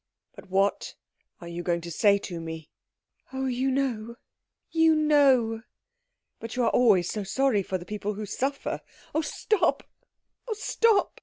"But what are you going to say to me?" "Oh, you know you know " "But you are so sorry always for people who suffer " "Oh, stop oh, stop!"